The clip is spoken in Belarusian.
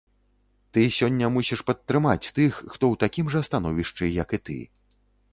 Ты сёння мусіш падтрымаць тых, хто ў такім жа становішчы, як і ты.